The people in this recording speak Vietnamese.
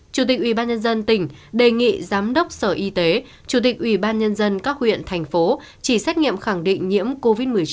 chủ tịch ủy ban nhân dân tỉnh đề nghị giám đốc sở y tế chủ tịch ủy ban nhân dân các huyện thành phố chỉ xét nghiệm khẳng định nhiễm covid một mươi chín